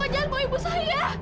jangan pak ibu saya